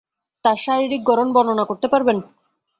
তার শারীরিক গড়ন বর্ণনা করতে পারবেন?